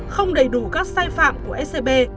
không đầy đủ các sai phạm của scb